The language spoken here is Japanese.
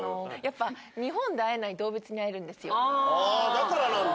だからなんだ。